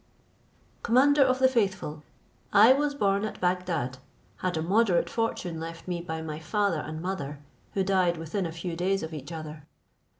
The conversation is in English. Commander of the faithful, I was born at Bagdad, had a moderate fortune left me by my father and mother, who died within a few days of each other.